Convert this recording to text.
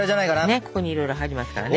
ねっここにいろいろ入りますからね！